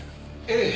ええ。